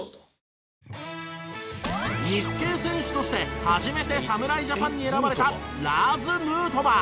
日系選手として初めて侍ジャパンに選ばれたラーズ・ヌートバー。